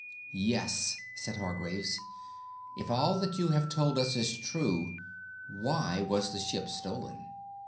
"Yes," said Hargraves. "If all that you have told us is true, why was the ship stolen?"